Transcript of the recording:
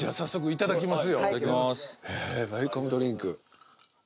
いただきます